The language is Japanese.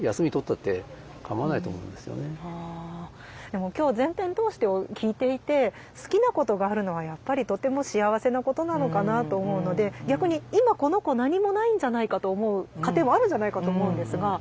でも今日全編通して聞いていて好きなことがあるのはやっぱりとても幸せなことなのかなと思うので逆に今この子何もないんじゃないかと思う家庭もあるんじゃないかと思うんですが。